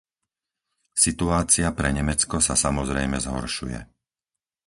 Situácia pre Nemecko sa samozrejme zhoršuje.